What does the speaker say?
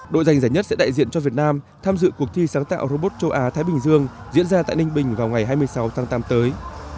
đội giành giải nhất sẽ đại diện cho việt nam tham dự cuộc thi sáng tạo robot châu á thái bình dương diễn ra tại ninh bình vào ngày hai mươi sáu tháng tám tới